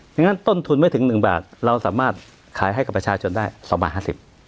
อย่างนั้นต้นทุนไม่ถึง๑บาทเราสามารถขายให้กับประชาชนได้ชั่วประมาณหสิบ